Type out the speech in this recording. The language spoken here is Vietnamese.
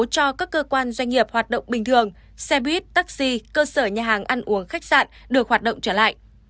doanh nghiệp hoạt động bình thường xe buýt taxi cơ sở nhà hàng ăn uống khách sạn được hoạt động trở lại